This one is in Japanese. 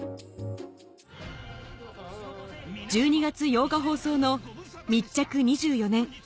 １２月８日放送の『密着２４年！